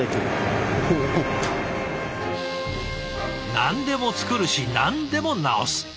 何でも作るし何でも直す。